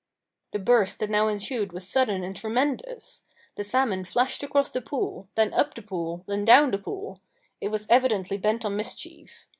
The burst that now ensued was sudden and tremendous! The salmon flashed across the pool, then up the pool, then down the pool. It was evidently bent on mischief.